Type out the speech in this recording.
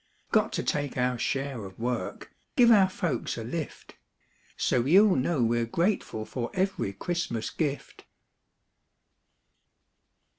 Got to take our share of work, Give our folks a lift. So you'll know we're grateful for Every Christmas gift.